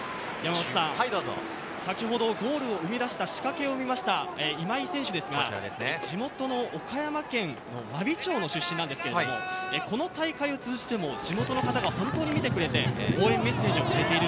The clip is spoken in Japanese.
先ほどゴールを生み出した仕掛けを生みました今井選手ですが、地元の岡山県真備町の出身なんですが、この大会を通じても地元の方がホントに見てくれて応援メッセージをくれている。